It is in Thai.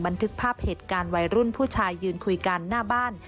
บันทึกภาพเหตุการณ์วัยรุ่นผู้ชายยืนคุยกันหน้าบ้าน